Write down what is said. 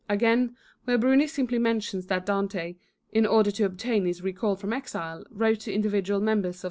Again, where Bruni simply mentions that Dante, in order to obtain his recall from exile, wrote to individual members of.